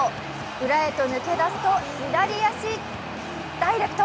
裏へと抜け出すと左足ダイレクト。